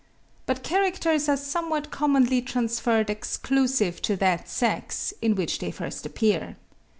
But characters are somewhat commonly transferred exclusively to that sex, in which they first appear.